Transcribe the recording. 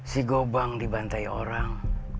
si gobang dibantai orang